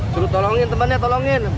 suruh tolongin temannya tolongin